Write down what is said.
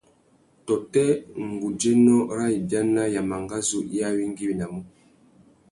Tôtê ngudzénô râ ibiana ya mangazú i awéngüéwinamú?